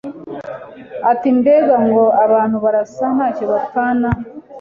ati mbega ngo abantu barasa ntacyo bapfana